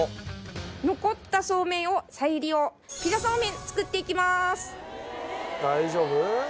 残ったそうめんを再利用ピザそうめん作っていきます。